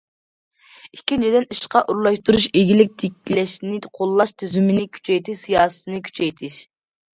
ئىككىنچىدىن، ئىشقا ئورۇنلاشتۇرۇش، ئىگىلىك تىكلەشنى قوللاش تۈزۈمىنى كۈچەيتىش سىياسىتىنى كۈچەيتىش.